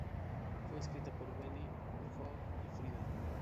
Fue escrita por Benny, Björn y Frida.